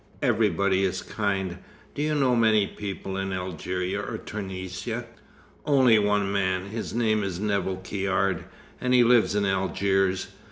Everybody is kind. Do you know many people in Algeria, or Tunisia?" "Only one man. His name is Nevill Caird, and he lives in Algiers.